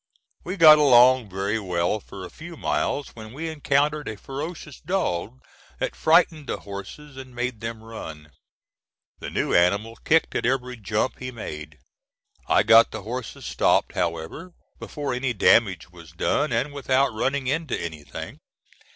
We got along very well for a few miles, when we encountered a ferocious dog that frightened the horses and made them run. The new animal kicked at every jump he made. I got the horses stopped, however, before any damage was done, and without running into anything.